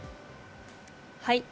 はい。